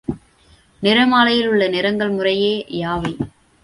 நிறமாலையிலுள்ள நிறங்கள் முறையே யாவை?